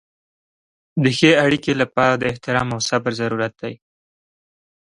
د ښې اړیکې لپاره د احترام او صبر ضرورت دی.